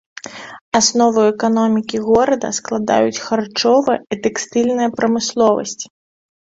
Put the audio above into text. Аснову эканомікі горада складаюць харчовая і тэкстыльная прамысловасць.